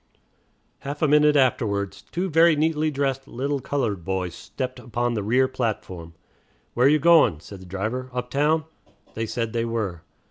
'" Half a minute afterwards two very neatly dressed little colored boys stepped upon the rear platform. "Where you goin'?" said the driver. "Uptown?" They said they were.